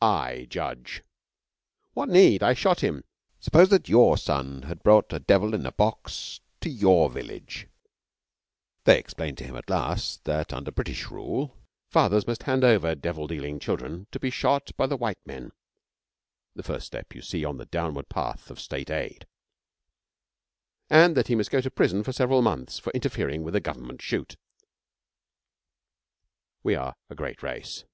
I judge.' 'What need? I shot him. Suppose that your son had brought a devil in a box to your village ' They explained to him, at last, that under British rule fathers must hand over devil dealing children to be shot by the white men (the first step, you see, on the downward path of State aid), and that he must go to prison for several months for interfering with a government shoot. We are a great race.